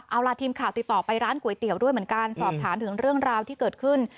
เอาล่ะทีมข่าวติดต่อไปร้านก๋วยเตี๋ยวด้วยเหมือนกันสอบถามถึงเรื่องราวที่เกิดขึ้น